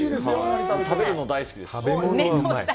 食べるの大好きですし。